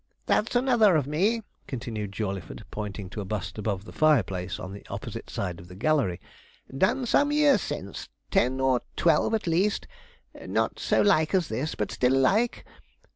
That's another of me,' continued Jawleyford, pointing to a bust above the fireplace, on the opposite side of the gallery; 'done some years since ten or twelve, at least not so like as this, but still like.